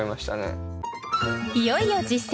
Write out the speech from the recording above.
いよいよ実践！